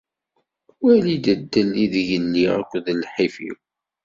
Wali-d ddel ideg lliɣ akked lḥif-iw.